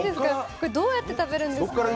これどうやって食べるんですか？